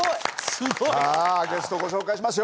すごい！さあゲストをご紹介しますよ。